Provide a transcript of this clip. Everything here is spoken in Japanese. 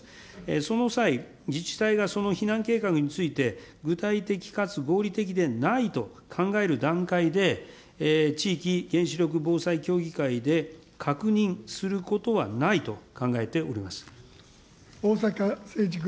その際、自治体がその避難計画について、具体的かつ合理的でないと考える段階で、地域原子力防災協議会で確認することはないと考えております。